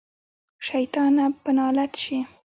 شيطانه په نالت شې.